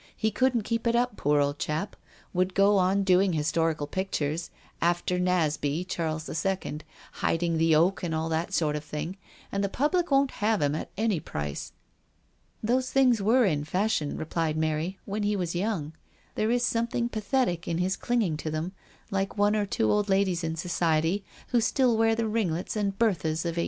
He couldn't keep it up, poor old fellow. Would go on doing histori cal pictures: 'John Knox preaching before Mary, Queen of Scots,' 'The Last Appeal of Monmouth,' and all that sort of thing; and the public won't have him at any price." "Those things were in fashion," replied Mary, " when he was young. There is some thing pathetic in his clinging to them, like one or two old ladies in society, who still wear the ringlets and berthas of 1850."